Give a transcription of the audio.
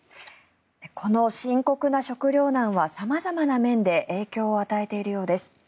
この深刻な食糧難は様々な面で影響を与えているようです。